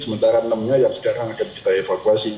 sementara enam nya yang sekarang akan kita evakuasi